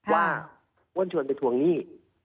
ว่าบอลชวนไปทวงนี่